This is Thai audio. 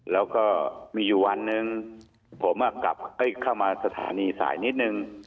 แล้วก็มีอยู่วันหนึ่งผมกลับเข้ามาสถานีสายนิดนึง